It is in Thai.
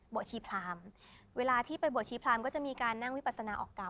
ชีพรามเวลาที่ไปบวชชีพรามก็จะมีการนั่งวิปัสนาออกเก่า